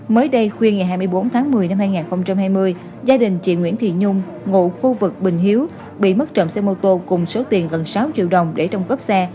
mới đây khuya ngày hai mươi bốn tháng một mươi năm hai nghìn hai mươi gia đình chị nguyễn thị nhung ngụ khu vực bình hiếu bị mất trộm xe mô tô cùng số tiền gần sáu triệu đồng để trong cốp xe